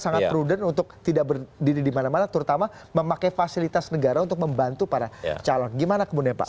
sangat prudent untuk tidak berdiri dimana mana terutama memakai fasilitas negara untuk membantu para calon gimana kemudian pak